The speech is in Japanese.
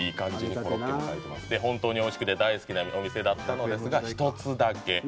「本当においしくて大好きなお店だったのですがひとつだけ」